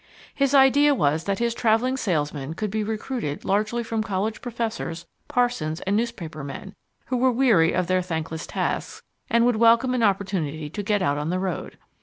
His idea was that his travelling salesmen could be recruited largely from college professors, parsons, and newspaper men, who were weary of their thankless tasks, and would welcome an opportunity to get out on the road.